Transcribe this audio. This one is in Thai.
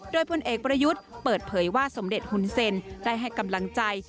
โดยพลเอกประยุทธ์เปิดเผยว่าสมเด็จหุ่นเซ็นได้ให้กำลังใจ